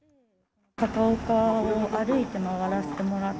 高岡を歩いて回らせてもらっ